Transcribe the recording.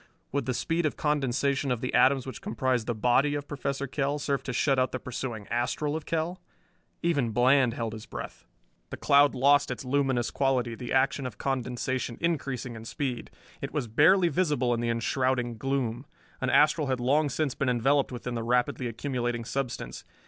Would the speed of condensation of the atoms which comprised the body of Professor Kell serve to shut out the pursuing astral of Kell? Even Bland held his breath! The cloud lost its luminous quality, the action of condensation increasing in speed. It was barely visible in the enshrouding gloom. An astral had long since been enveloped within the rapidly accumulating substance.